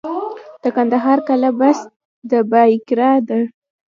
د کندهار قلعه بست د بایقرا ده